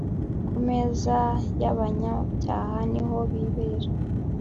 kumeza yabanyabyaha ni ho bibera